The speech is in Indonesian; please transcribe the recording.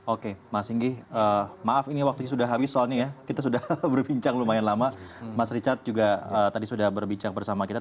oke mas singgi maaf ini waktunya sudah habis soalnya ya kita sudah berbincang lumayan lama mas richard juga tadi sudah berbincang bersama kita